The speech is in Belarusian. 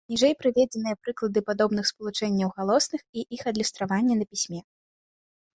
Ніжэй прыведзеныя прыклады падобных спалучэнняў галосных і іх адлюстравання на пісьме.